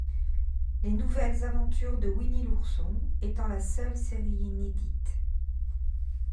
Les Nouvelles Aventures de Winnie l'ourson étant la seule série inédite.